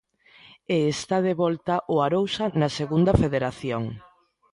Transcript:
E está de volta o Arousa na Segunda Federación.